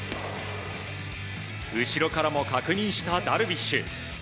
後ろからも確認したダルビッシュ。